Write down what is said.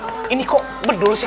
oh ini kok bedul sih